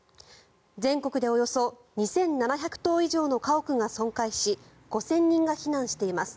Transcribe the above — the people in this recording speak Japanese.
全国で、およそ２７００棟以上の家屋が損壊し５０００人が避難しています。